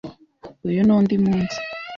Uyu ni undi munsi.